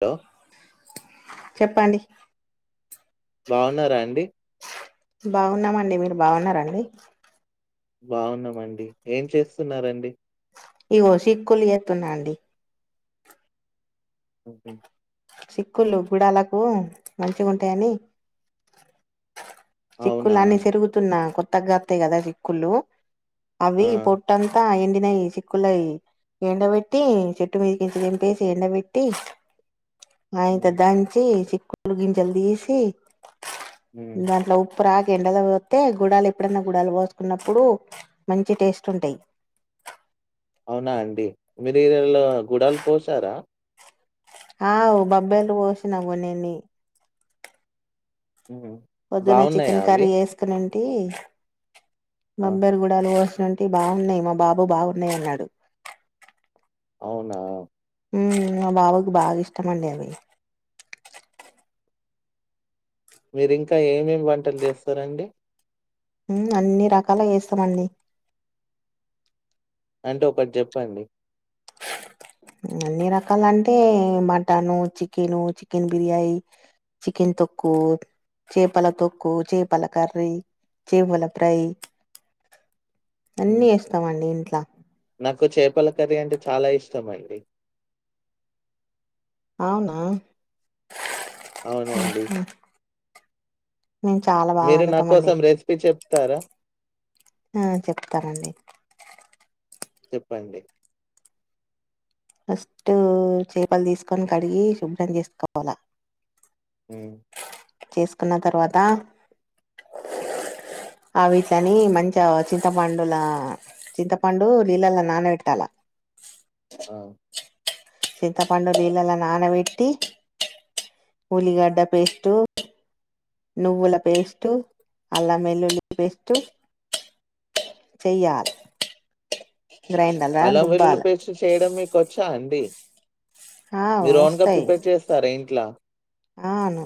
Hello చెప్పండి బాగున్నారా అండి బాగున్నామండి మీరు బాగున్నారండి బాగున్నామండి ఏం చేస్తున్నరండి ఇగో శిక్కులు చేతున్న అండి ఓకే చిక్కులు గుడాలకు మంచిగా ఉంటాయని చిక్కుల అవునా! అన్నీ చెరుగుతున్నా కొత్త కత్తయి కదా వికులు ఆ! అవి పొట్టంతా అయింది ఎన్నై చిక్కులై ఎండబెట్టి చెట్టు మీదకించ తనిపేసి ఎండ పెెట్టి ఆయత హ్మ్. దంచి గింజలు తీసి హ్మ్. దంట్ల ఉప్పు రాసి ఎండలో పోస్తే గుడాలు ఎప్పుడనా గుడలు పోసుకున్నప్పుడు మంచి టేస్ట్ ఉంటాయి అవునా అండి మీరు ఈరెలో గుడలు పోసారా ఆ బబ్బర్లు పోసిన గినన్ని హ్మ్. పొద్దున్న బాగున్నాయా చికెన్ అవి? కర్రీ వేసుకునిండి టీ ఆహా! మంబెర్ గుడాలు నుడి బాగున్నాయి మా బాబు బాగున్నాయి అన్నాడు అవునా మా బాబాకు బాగా ఇష్టం అండి అవి మీరింకా ఏమేమి వంటలు చేస్తారంండి అన్ని రకాలుగా చేస్తామ అన్నీ అంటే ఒకటి చెప్పండి అన్ని రకాల అంటే mutton chicken chicken biryani chicken తొక్కు చేపల తొక్కు చేపల కర్రీ చేపల ఫ్రై అన్నీ హ్మ్. చేస్తామండి ఇంట్లో నాకు చేపల కర్రీ అంటే చాలా ఇష్టం అండి అవునా అవునండి మేము చాలా బాగా మీరు నా వండుతామండి కోసం రెసిపీ చెప్ త్తర ఆ చెప్తానండి చెప్పండి ఫస్ట్ చేపలు తీసుకొని కడిగి శుభ్రం చేసుకోవాల హ్మ్ చేసుకున్న తర్వాత ఆవీటిలని మంచి చింతపండుల చింతపండు నీళ్ళలో నానబెట్టాల ఆ చింతపండు నీళ్ళలో నానబెట్టి ఉలిగడ్డ పేస్టు నువ్వుల పేస్టు అల్లం వెల్లుల్లి పేస్టు చెయ్యాలి గ్రైండర్లా అలం వెల్లులు రుబ్బాల పేస్ట్ చేయడం మీకు వచ్ చ్చ అండి ఆ మీరు ఓన్గా వస్తాయి ప్రిపేర్ చేస్తార ఏంటి ఇలా అవును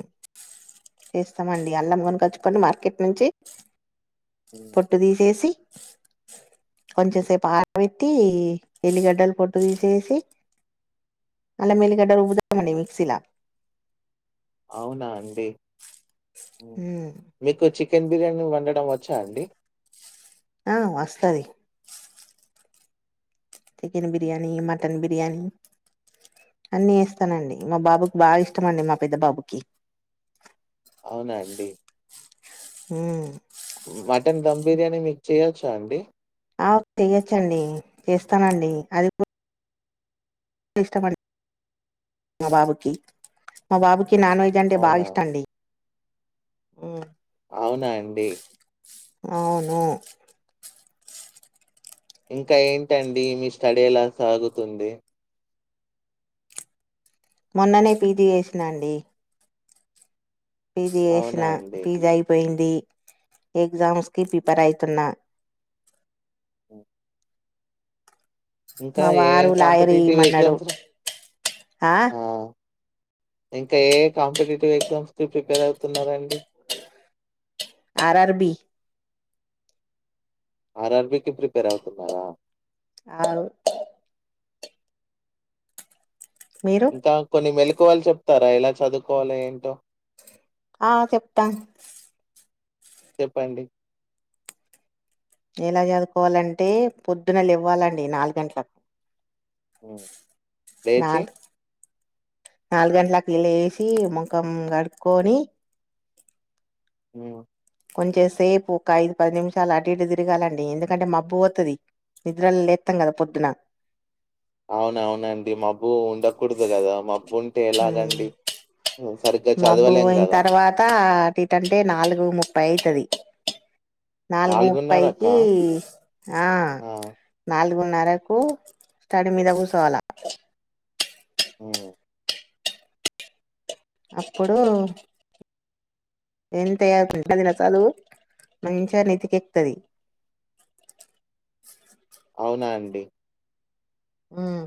చేస్తామండి అల్లం కొని కచ్చుపండి మార్కెట్ నుంచి హ్మ్. పొట్టు తీసేసి కొంచెం సేపు ఆరబెట్టి ఎల్లిగడ్డలు పొట్టు తీసేసి అల మల్లిగడ్డలు ఉపుతామండి మిక్సీలో అవునా అండి ఉమ్ మీకు చి చికెన్ బిర్యానీ వండడం వచ్చా అండి ఆ వస్తది చికెన్ బిర్యానీ మ మటన్ బిర్యానీ అన్నీ వేస్తానండి మా బాబుకి బాగా ఇష్టం అండి మా పెద్ద బాబుకి అవునా అండి హ్మ్ మటన్ ధమ్ బిర్యానీ మీకు చేయొచ్చా అండి ఆ చెయొచ్చండి చేస్తానండి అది కూ ఇష్టమం మా బాబుకి మా బాబు కి నాన్ వెజ్ అంటే బాగా అవునా? ఇష్టండి హ్మ్ అవునా అండి అవును ఇంకా ఏంటండి మీ స్టడీ ఎలా సాగుతుంది మొన్ననే పీజీ చేసినా అండి పి జి అవునా చేసిన అండి? పి జి అయిపోయింది డి ఎగ్జామ్స్ కి ప్రిపేర్ అయితున్నా హ్మ్. ఇంకా మా ఏ వారు లాయర్ కాంపిటీటివ్ ఇయ్యమన్నాడు ఎగ్జామ్స్ రా ఆ ఇంకా ఏయే కాంపిటేటివ్ ఎగ్జామ్స్ కి ప్రిపేర్ అవుతున్నారండి R R B R R B కి ప్రిపేర్ అవుతున్నారా ఆవు మీరు ఇంకా కొన్ని మెలు వాళ్లు చెప్తారా ఎలా చదువుకోవాలి ఏంటో ఆ చెప్తాను చెప్పండి ఎలా చదువుకోవాలంటే పొద్దున ఇవ్వాలండి నాలుగు గంటలకు లేేచీ నాలుగు నాలుగు గంటలకి లేసి ముఖం కడుక్కకొని అ కొంచెం సేపు ఒక ఐదు పది నిమిషాలు అడ ఇటు తిరగాలండి ఎందుకంటే మబ్బు పోతుది నిద్రలో లేస్తాం కదా పొద్దున అవునవునండి మబ్బు ఉండకూడదు గదా మబ్బు ఉంటే ఎలాగండి సరిగ్గా మబ్బు చదవలేం అయిన గదా! తర్వాత అటూ ఇటు అంటే నాలుగు ము అయితది నాలుగు ముప్పైకి ఆ నాలుగు నాలుగున్నర కు స్టడీ మీద కూర్చోవాల ఆ అప్పుడు ఎం తయారు అది చదువు మంచిగా నీతికెక్తుది అ హ్మ్మ్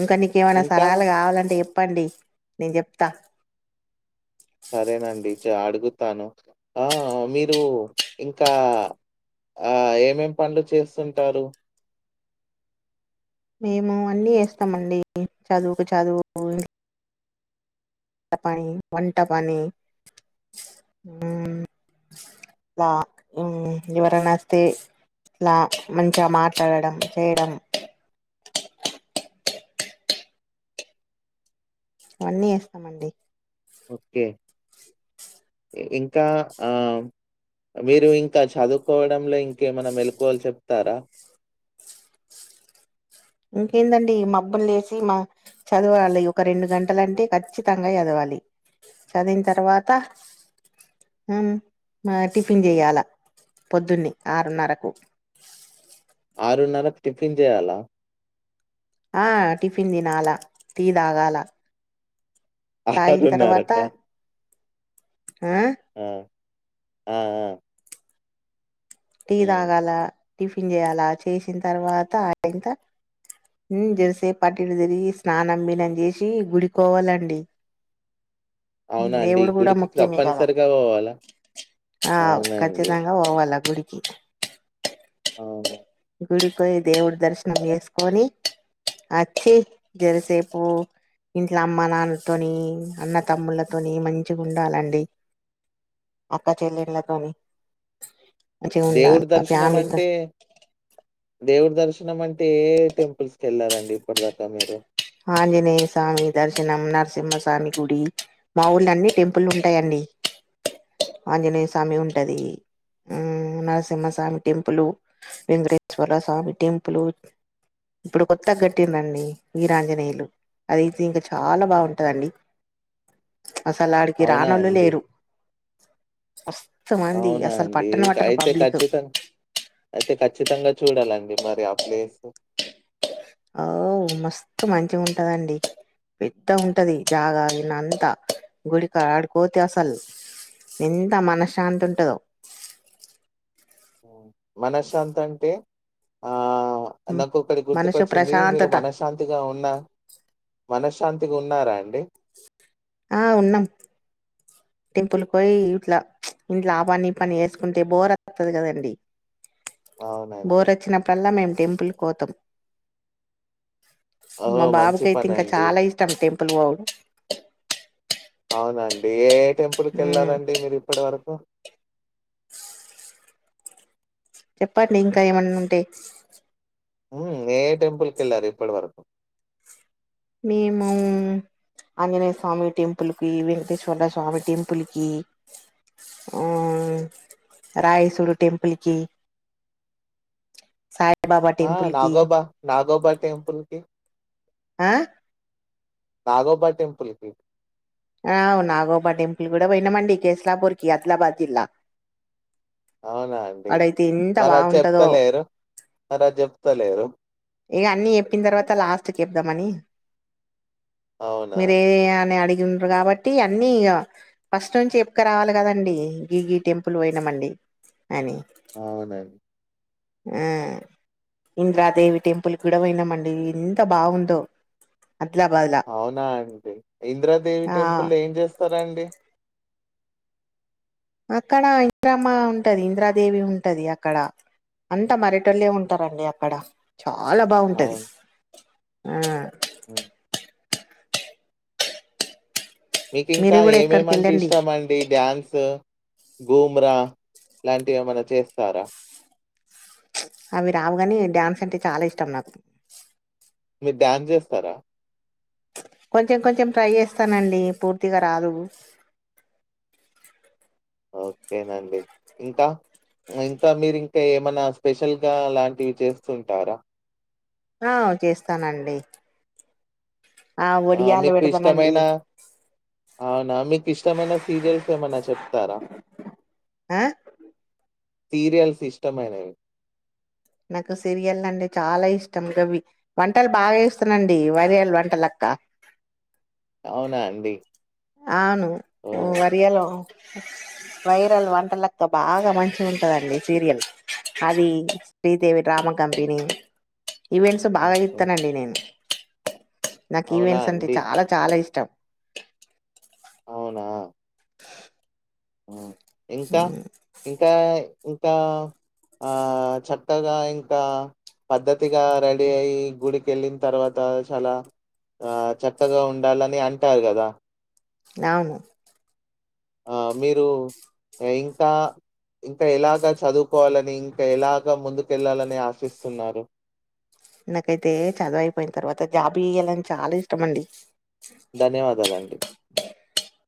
ఇంకా నీకేమైనా ఇంకా? సలహాలు కావాలంటే చెప్పు చెప్పండి నేను చెప్తా సరేనండి జ అడుగుతాను ఆ మీరు ఇంకా ఆ ఎమేం పనులు చేస్తుంటారు మేము అన్నీ చేస్తామండి చదువుకు చదువు ఇంటి పని వంట పని ఇలా ఎవరైనా వస్తే ఇలా మంచిగా మాట్లాడడం చేయడం అవన్నీ చేస్తామండి ఓకే ఇంకా ఆ మీరు ఇంకా చదువుకోవడంలో ఇంకేమనా మేలుకవాలు చెప్తారా ఇంకేందండి మబ్బులు లేసి మా చదవాలి ఒక రెండు గంటలంటే ఖచ్చితంగా చదవాలి చదివిన తర్వాత టిఫిన్ చేయాల పొద్దున్నన్ని ఆరున్నరకు ఆరున్నరకు టిఫిన్ చేయాలా ఆ టిఫిన్ తినాలా టీ తాగాల తాగిన అరున్నారకు కా హ ఆ ఆ టీ హ్మ్. తాగాల టిఫిన్ చేయాలి చేసిన తర్వాత ఆ ఇంత జరిసేపు అటు ఇటు తిరిగి స్నానం గేనం చేసి గుడి కి పోవాలి అవునా అండి? దేవుడు కూడా గుడికి ముఖ్యమే కదా తప్పనిసరిగా పోవాలా? ఆ అవునండి. ఖచ్చితంగా పోవాల గుడికి ఈ అవును గుడికిపోయి దేవుడి దర్శనం చేసుకొని వచ్చి జరిసేపు ఇంట్లో అమ్మ నాన్నతోని అన్న తమ్ముళ్లతోని మంచిగా ఉండాలండి అక్క చెల్లెళ్లతోని దేవుడి దర్శనం అంటే దేవుడి దర్శనం అంటే ఏ టెంపుల్స్ కి వెళ్లరండి ఇప్పటి దాకా మీరు ఆంజనేయ స్వామి దర్శనం నరసింహస్వామి గుడి మా ఊళ్ళ అన్ని టెంపుల్ ఉంటాయిండి ఆంజనేయ స్వామి ఉంటది ఆ నరసింహస్వామి టెంపులు వెంకటేశ్వర స్వామి టెంపులు ఇప్పుడు కొత్త కాటారండి వీరాంజనేయులు అదియితే ఇంకా చాలా బాగుంటందండి అసలు ఆడికి అవునా రానోళ్ళు అండి? లేరు మస్తు మంది అవునా అసలు అండి? పట్టనే పట్టారు అయితే పబ్లిక్ ఖచ్చితంగా అయితే ఖచ్చితంగా చూడాలండి మరి ఆ ప్లేస్ ఓ మస్తు మంచిగా ఉంటదండి పెద్దగుంటది జాగా విన్న అంత గుడికా ఆడుకోతే అసలు ఎంత మనశ్శాంతి ఉంటదో ఓ మనశ్శాంతి అంటే ఆ నాకు ఒకటి మనసు గుర్తుకొచ్చింది మీరు ప్రశాంతత మనశాంతిగా ఉన్నా మనశ్శాంతిగా ఉన్నరాండి ఆ ఉన్నాం టెంపుల్కి పోయి, ఇట్లా ప్చ్, ఇంట్ల ఆ పని, ఈ పని వేసుకుంటే బోర్ వత్తది కదండి. అవునండి. బోర్ వచ్చినప్పుడల్లా మేము టెంపుల్ పోతం మా ఓహ్! మంచి బాబుకైతే ఇంకా పనండి. చాలా ఇష్టం టేం పలువును అవునండి ఏ టెంపులు కి కెళ్ళారా అండి మీరు ఇప్పటివరకు చెప్పట్ని ఇంకా ఏమన్నుంటే ఉ ఏ ఏ టెంపుల్కేళ్లారు ఇప్పటి వరకు మేము ఆంజనేయ స్వామి టెంపుల్ కి వెంకటేశ్వర స్వామి టెంపుల్ కి ఆ రాయసురు టెంపుల్ కి సాయిబాబా ఆ టెంపుల్ కి నాగోబా నాగోబా టెంపుల్కి ఆ నాగోబా టెంపుల్కి అవునాగోబా టెంపుల్ కూడా పోయినామండి కేస్లాపూర్ కి ఆదిలాబాద్ జిల్లా అవునా అండి ఆడైతే ఎంత మరి అ బాగుంటదో చెప్తలేరు మరి అ చెప్తలేరు ఇగ అన్ని చెప్పిన తర్వాత లాస్ట్ కి చెప్దామని అవునా? మీరు ఏవీ ఏవీ అనీ అడిగి ఉండ్రు కాబట్టి, అన్ని ఇగ ఫస్ట్ నుంచి చెప్కరావాలి కదండి. గిగి టెంపుల్ పోయినమండి అని. అవునం ఆ ఇంద్రాదేవి టెంపుల్క్కుడా పోయినామండీ ఎంత బాగుందో ఆదిలాబాద్ లా అవునా ఆంటీ ఇంద్రాదేవి ఆ టెంపుల్లో ఏం జేస్తా రండి అక్కడ ఇంది రామ్మ ఉంటది, ఇంద్రాదేవి ఉంటది. అక్కడ అంతా మరటోళ్లే ఉంటారండి అక్కడ. చాలా బాగుంటది అవును. ఆ హ్మ్ మీకు ఇంకా మీరు కూడా ఎక్కడికి ఏమేమంటే వెళ్ళండి ఇష్టమండి డ్యాన్సు గూమ్రా లాంటివి ఏమనా చేస్తారా అవి రావుగాని డ్యాన్స్ అంటే చాలా ఇష్టం నాకు మీరు డాన్స్ చేస్తారా కొంచెం కొంచెం ట్రై చేస్తానండి పూర్తిగా రాదు ఓకేనండి ఇంకా ఇంకా మీరు ఇంకా ఏమైనా స్పెషల్గా లాంటివి చేస్తుంటారా ఆ చేస్తానండి ఆ ఒడియాలు మీకు పెడతానండి ఇష్టమైనా అవునా మీకు ఇష్ట ఇష్టమైన సీరియల్స్ ఏమైనా చెప్తారా ఆహ్ సీరియల్స్ ఇస్టం అైనవి నాకు సీరియల్ అంటే చాలా ఇష్టం ఇవి వంటలు బాగా చేస్తున్నాండి వరియల్ వంటలక్క అవునా అండి అవును ఓహ్! [unintelligible] వైరల్ వంటలకా బాగా మంచి ఉంటుందండి సీరియల్ అది శ్రీదేవి డ్రామ కంపెనీ ఈవెంట్స్ బాగా ఓకే. చుతానండి నేను నాకు అవునా ఈవెంట్స్ అంటే అండి? చాలా చాలా ఇష్ ష్టం ఆ హ్ ఇంకా ఇంకా ఇంకా ఆ చక్కగా ఇంకా పద్ధతిగా రెడీ అయ్యి గుడికి వెళ్ళిన తర్వాత చాలా చక్కగా ఉండాలని అంటారు కదా అవును ఆ మీరు ఇంకా ఇంకా ఎలాగా చదువు కోవాలని ఇంకా ఎలాగా ముందు కెళ్లాలని ఆశిస్తున్నారు నాకైతే చదువు అయిపోయిన తర్వాత జాబు చేయ్యాలని చాలా ఇష్టమండి ధన్యవాదాలండి